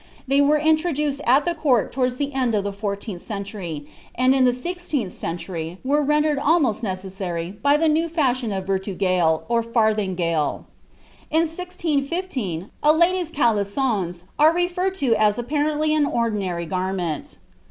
They were introduced at the Court towards the end of the fourteenth century, and in the sixteenth century were rendered almost necessary by the new fashion of the vertugale, or farthingale. In 1615, a lady's caleçons are referred to as apparently an ordinary garment.